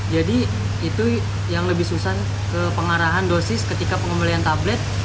jadi itu yang lebih susah ke pengarahan dosis ketika pengumuman tablet